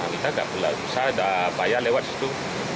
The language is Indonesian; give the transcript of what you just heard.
kita sudah payah lewat situ